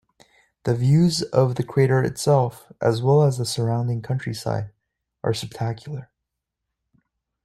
The views of the crater itself, as well as the surrounding countryside, are spectacular.